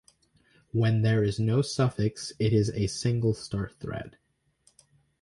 When there is no suffix it is a single start thread.